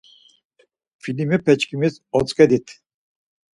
Filimepeçkimis otzǩedit.